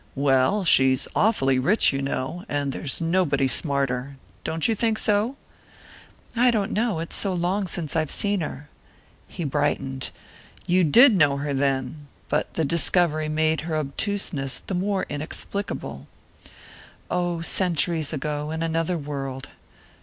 "Well, she's awfully rich, you know; and there's nobody smarter. Don't you think so?" "I don't know; it's so long since I've seen her." He brightened. "You did know her, then?" But the discovery made her obtuseness the more inexplicable! "Oh, centuries ago: in another world."